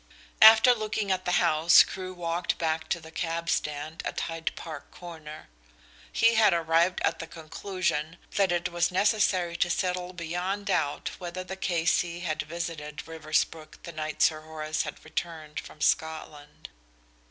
After looking at the house Crewe walked back to the cab stand at Hyde Park Corner. He had arrived at the conclusion that it was necessary to settle beyond doubt whether the K.C. had visited Riversbrook the night Sir Horace had returned from Scotland.